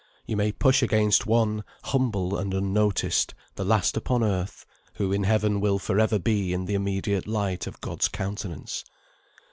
You may push against one, humble and unnoticed, the last upon earth, who in Heaven will for ever be in the immediate light of God's countenance.